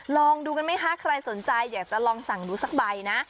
ลองดูกันไหมคะใครสนใจอยากจะลองสั่งดูสักใบนะ